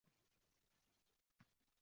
O‘zbek tili uch daryodan suv ichgan